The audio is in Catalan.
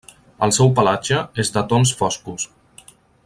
El seu pelatge és de tons foscos.